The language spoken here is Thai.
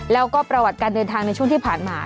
แล้วก็ประวัติการเดินทางในช่วงที่ผ่านมา